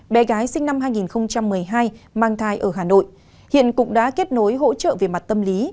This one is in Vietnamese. bé gái sinh năm hai nghìn một mươi hai mang thai ở hà nội hiện cũng đã kết nối hỗ trợ về mặt tâm lý